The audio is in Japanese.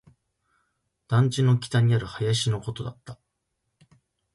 団地の北にある林のことだった